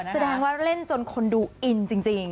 แสดงว่าเล่นจนคนดูอินจริง